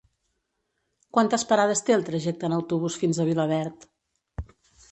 Quantes parades té el trajecte en autobús fins a Vilaverd?